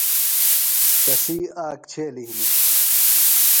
تسی آک چھیلیۡ ہِنیۡ۔